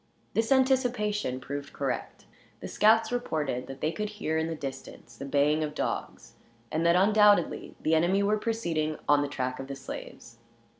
This anticipation proved correct. The scouts reported that they could hear, in the distance, the baying of dogs; and that, undoubtedly, the enemy were proceeding on the track of the slaves.